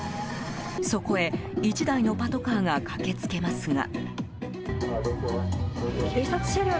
そこへ１台のパトカーが駆けつけますが。